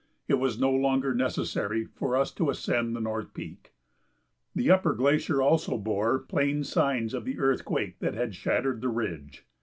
It was no longer necessary for us to ascend the North Peak. The upper glacier also bore plain signs of the earthquake that had shattered the ridge.